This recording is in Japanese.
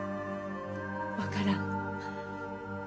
分からん。